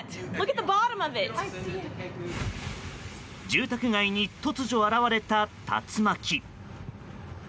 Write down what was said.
住宅街に突如現れた竜巻。